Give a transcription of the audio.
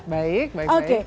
baik baik baik